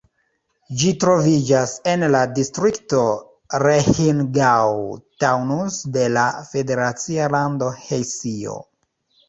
Ĝi troviĝas en la distrikto Rheingau-Taunus de la federacia lando Hesio.